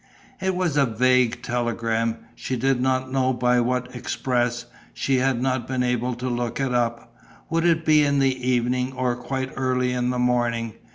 It was a vague telegram. She did not know by what express; she had not been able to look it up. Would it be in the evening or quite early in the morning?